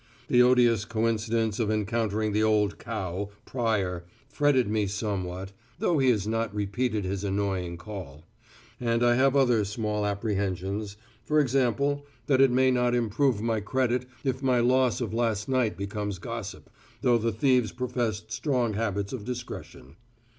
The odious coincidence of encountering the old cow, Pryor, fretted me somewhat (though he has not repeated his annoying call), and I have other small apprehensions for example, that it may not improve my credit if my loss of last night becomes gossip, though the thieves professed strong habits of discretion.